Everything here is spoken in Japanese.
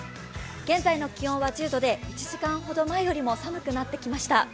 現在の気温は１０度で１時間ほど前よりも寒くなってきました。